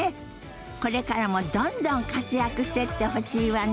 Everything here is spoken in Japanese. これからもどんどん活躍してってほしいわね。